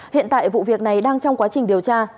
hiện tại vụ việc này đang trong quá trình điều tra